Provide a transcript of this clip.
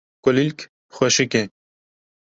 Kulîlk xweşik e